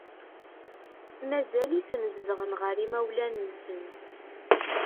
Mazal-iten zedɣen ɣer yimawlan-nsen.